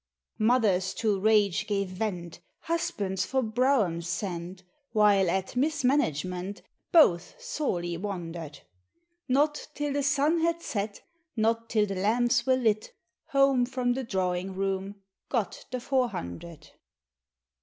Mothers to rage gave vent. Husbands for broughams sent. While at mismanagement Both sorely wondered. Not till the sun had set. Not till the lamps were lit. Home from the Drawing Room Got the Four Hundred.